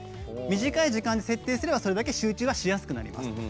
短い時間に設定すればそれだけ集中がしやすくなります。